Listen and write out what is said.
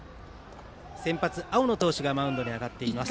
先発、青野投手がマウンドに上がっています。